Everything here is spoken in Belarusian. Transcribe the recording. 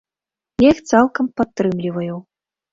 Я іх цалкам падтрымліваю.